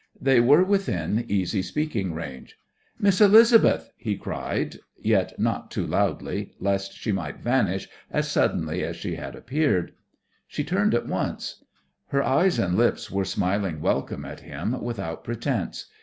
They were within easy speaking range. "Miss Elizabeth!" he cried, yet not too loudly lest she might vanish as suddenly as she had appeared. She turned at once. Her eyes and lips were smiling welcome at him without pretence.